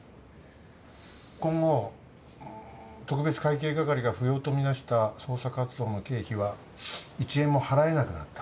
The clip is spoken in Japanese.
今後特別会計係が不要と見なした捜査活動の経費は１円も払えなくなった。